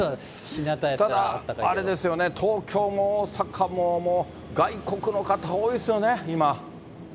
ただ、あれですよね、東京も大阪も、外国の方、多いですよね、今。